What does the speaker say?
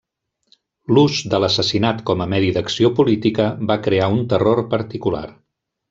L'ús de l'assassinat com a medi d'acció política va crear un terror particular.